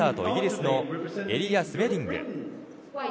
イギリスのエリア・スメディング。